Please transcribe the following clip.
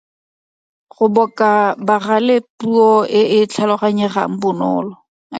Go boka bagale Puo e e tlhaloganyegang bonolo.